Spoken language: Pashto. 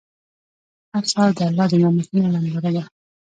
هر سهار د الله د نعمتونو ننداره ده.